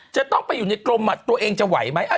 จะต้องไปอยู่ในกรมตัวเองจะไหวไหม